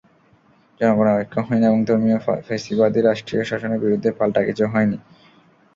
জনগণের ঐক্য হয়নি এবং ধর্মীয় ফ্যাসিবাদী রাষ্ট্রীয় শাসনের বিরুদ্ধে পাল্টা কিছু হয়নি।